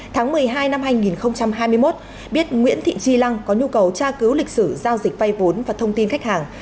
tháng một mươi hai năm hai nghìn hai mươi một biết nguyễn thị chi lăng có nhu cầu tra cứu lịch sử giao dịch vay vốn và thông tin khách hàng